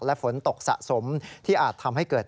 และฝนตกสะสมที่อาจทำให้เกิด